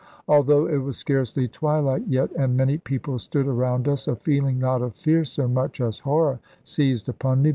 Although it was scarcely twilight yet, and many people stood around us, a feeling not of fear so much as horror seized upon me.